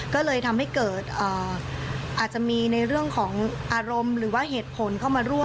ก็เลยทำให้เกิดอาจจะมีในเรื่องของอารมณ์หรือว่าเหตุผลเข้ามาร่วม